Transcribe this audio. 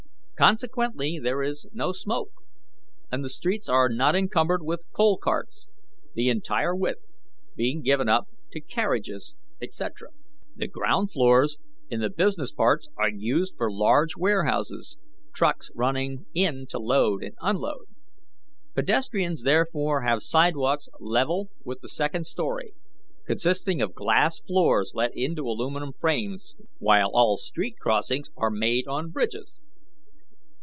Consequently there is no smoke, and the streets are not encumbered with coal carts; the entire width being given up to carriages, etc. The ground floors in the business parts are used for large warehouses, trucks running in to load and unload. Pedestrians therefore have sidewalks level with the second story, consisting of glass floors let into aluminum frames, while all street crossings are made on bridges.